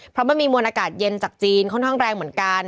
เพราะมันมีมวลอากาศเย็นจากจีนค่อนข้างแรงเหมือนกัน